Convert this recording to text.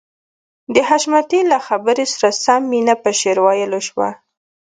د حشمتي له خبرې سره سم مينه په شعر ويلو شوه.